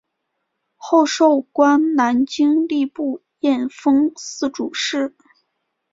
后授官南京吏部验封司主事。